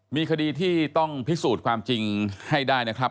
มีคดีที่ต้องพิสูจน์ความจริงให้ได้นะครับ